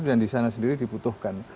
dan di sana sendiri diputuhkan